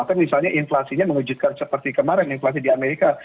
atau misalnya inflasinya mengejutkan seperti kemarin inflasi di amerika